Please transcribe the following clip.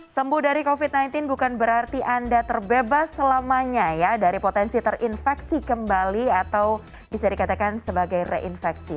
sembuh dari covid sembilan belas bukan berarti anda terbebas selamanya ya dari potensi terinfeksi kembali atau bisa dikatakan sebagai reinfeksi